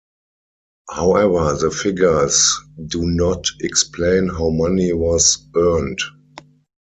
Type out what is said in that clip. However the figures do not explain how money was earned.